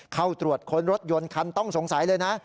เข้าตรวจค้นรถยนต์คันต้องสงสัยเลยนะ